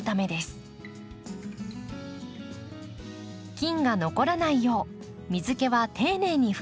菌が残らないよう水けは丁寧に拭き取ります。